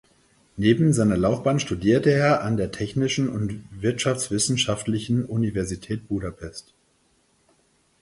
Neben seiner Laufbahn studierte er an der Technischen und Wirtschaftswissenschaftlichen Universität Budapest.